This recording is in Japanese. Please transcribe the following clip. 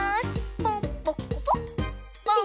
ポンポコポン！